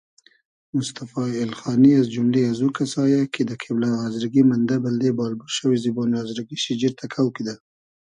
موستئفا اېلخانی از جوملې ازوکئسا یۂ کی دۂ کېبلاغی آزرگی مئندۂ بئلدې بال بورشئوی زیبۉنی آزرگی شیجیر تئکۆ کیدۂ